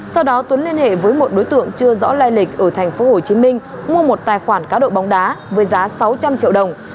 sau đó tuấn liên hệ với một đối tượng chưa rõ lai lịch ở tp hcm mua một tài khoản cá độ bóng đá với giá sáu trăm linh triệu đồng